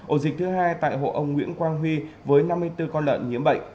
ổ dịch thứ hai tại hộ ông nguyễn quang huy với năm mươi bốn con lợn nhiễm bệnh